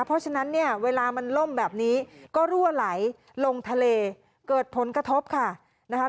เพราะฉะนั้นเนี่ยเวลามันล่มแบบนี้ก็รั่วไหลลงทะเลเกิดผลกระทบค่ะนะคะ